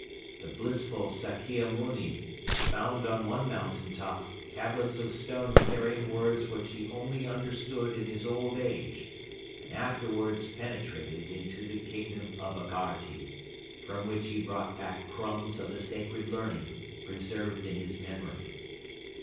The blissful Sakkia Mouni found on one mountain top tablets of stone carrying words which he only understood in his old age and afterwards penetrated into the Kingdom of Agharti, from which he brought back crumbs of the sacred learning preserved in his memory.